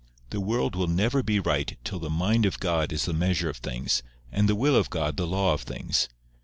The world will never be right till the mind of God is the measure of things, and the will of God the law of things.